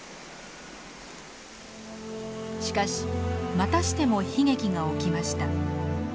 しかしまたしても悲劇が起きました。